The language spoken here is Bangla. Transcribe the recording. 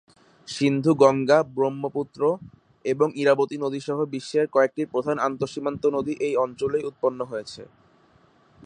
সিন্ধু গঙ্গা, ব্রহ্মপুত্র এবং ইরাবতী নদী সহ বিশ্বের কয়েকটি প্রধান আন্তঃসীমান্ত নদী এই অঞ্চলেই উৎপন্ন হয়েছে।